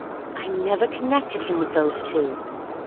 "I never connected him with those two!"